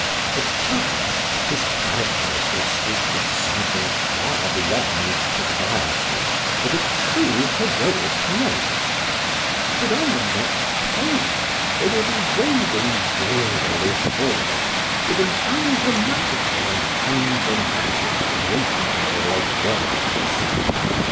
At times his characters will speak with something far beyond propriety with a true heroic note; but on the next page they will be wading wearily forward with an ungrammatical and undramatic rigmarole of words.